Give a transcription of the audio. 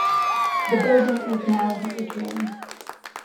The building is now The Atrium.